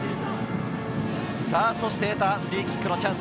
そして得たフリーキックのチャンス。